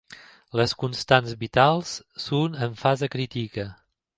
Les constants vitals són en fase crítica.